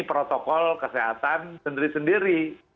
protokol kesehatan sendiri sendiri